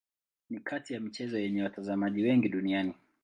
Ni kati ya michezo yenye watazamaji wengi duniani.